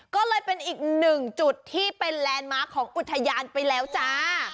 ก็เลยเป็นอีกหนึ่งจุดที่เป็นแลนด์มาร์คของอุทยานไปแล้วจ้า